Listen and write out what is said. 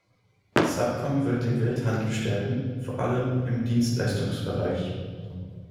Das Abkommen wird den Welthandel stärken, vor allem im Dienstleistungsbereich.